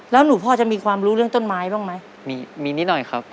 แล้วหนูพอจะมีความรู้เรื่องต้นไม้บ้างไหมมีมีนิดหน่อยครับ